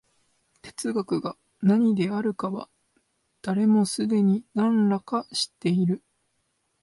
哲学が何であるかは、誰もすでに何等か知っている。